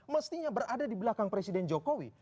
mestinya berada di belakang presiden jokowi